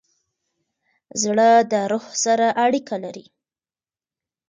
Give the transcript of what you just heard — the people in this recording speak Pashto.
زړه د روح سره اړیکه لري.